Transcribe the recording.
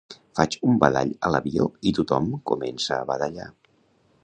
Faig un badall a l'avió i tothom comença a badallar